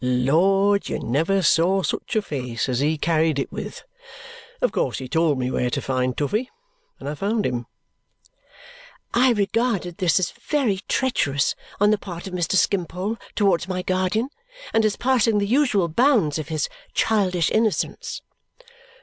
Lord, you never saw such a face as he carried it with! Of course he told me where to find Toughey, and I found him." I regarded this as very treacherous on the part of Mr. Skimpole towards my guardian and as passing the usual bounds of his childish innocence.